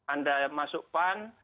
anda masuk pan